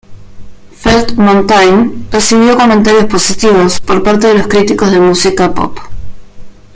Felt Mountain recibió comentarios positivos por parte de los críticos de música pop.